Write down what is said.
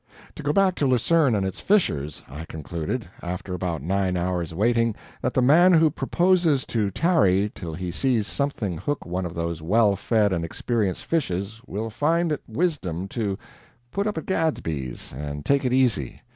To go back to Lucerne and its fishers, I concluded, after about nine hours' waiting, that the man who proposes to tarry till he sees something hook one of those well fed and experienced fishes will find it wisdom to "put up at Gadsby's" and take it easy.